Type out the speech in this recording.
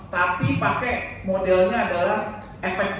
tapi pakai modelnya adalah efektif